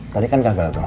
tadi kan gagal dong